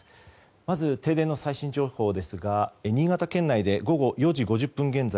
まず、停電の最新情報ですが新潟県内で午後４時５０分現在